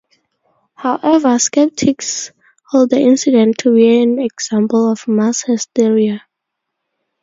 However, skeptics hold the incident to be an example of mass hysteria.